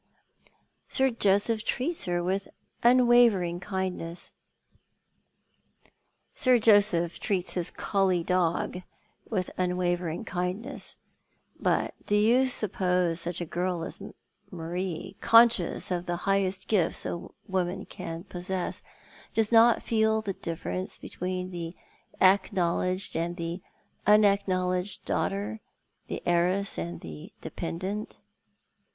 Sir Joseph treats her with unwavering kindness." "Sir Joseph treats his collie dog with unwayeriug kindness; but do you suppose such a girl as Marie — conscious of the highest gifts a woman can possess — does not feel the difference between the acknowledged and the unacknowledged daughte" — the heiress and the dependent